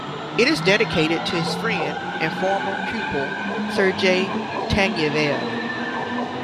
It is dedicated to his friend and former pupil Sergei Taneyev.